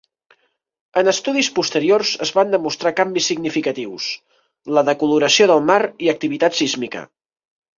En estudis posteriors es van demostrar canvis significatius: la decoloració del mar i activitat sísmica.